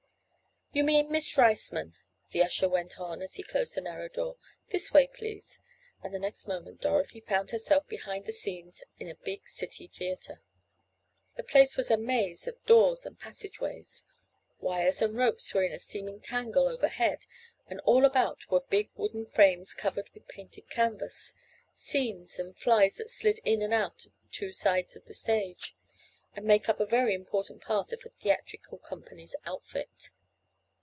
"You mean Miss Riceman," the usher went on as he closed the narrow door. "This way, please," and, the next moment, Dorothy found herself behind the scenes in a big city theatre. The place was a maze of doors and passageways. Wires and ropes were in a seeming tangle overhead and all about were big wooden frames covered with painted canvas—scenes and flies that slid in and out at the two sides of a stage, and make up a very important part of a theatrical company's outfit.